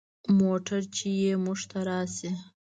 موټر چې موږ ته راسي.